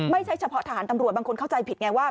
ไม่ใช่เฉพาะทหารตำรวจบางคนเข้าใจผิดไงว่า